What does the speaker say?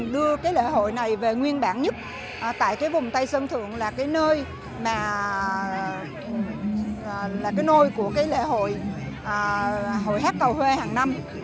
đưa lễ hội này về nguyên bản nhất tại vùng tây sơn thượng là nơi của lễ hội hát cầu huê hàng năm